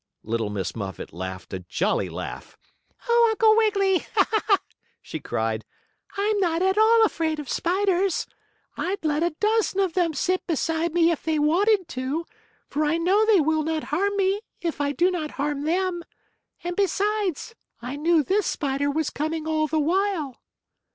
Little Miss Muffet laughed a jolly laugh. "Oh, Uncle Wiggily!" she cried. "I'm not at all afraid of spiders! I'd let a dozen of them sit beside me if they wanted to, for I know they will not harm me, if I do not harm them. And besides, I knew this spider was coming all the while."